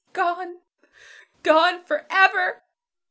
Gone, gone, forever!